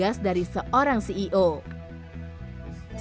expressed namanya teringut mah akuaaa